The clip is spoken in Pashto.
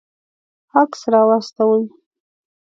عکس راواستوئ